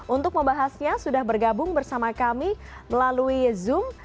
untuk membahasnya sudah bergabung bersama kami melalui zoom